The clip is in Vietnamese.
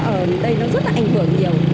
ở đây nó rất là ảnh hưởng nhiều